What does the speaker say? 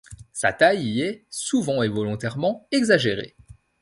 Sa taille y est, souvent et volontairement, exagérée.